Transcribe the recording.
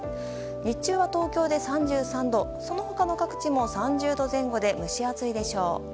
日中は東京で３３度その他の各地も３０度前後で蒸し暑いでしょう。